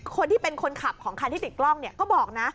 คนที่เป็นคนขับของคันที่ติดกล้องเนี่ยก็บอกนะ